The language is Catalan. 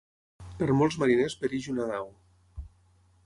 Per molts mariners pereix una nau.